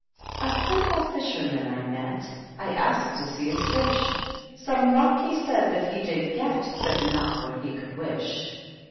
A simple fisherman I metj I asked to see his fish ; Some luck he said that he did get^ But not what he could wish.